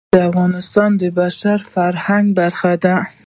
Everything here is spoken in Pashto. ګاز د افغانستان د بشري فرهنګ برخه ده.